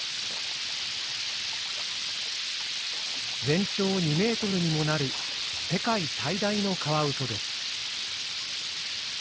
全長２メートルにもなる世界最大のカワウソです。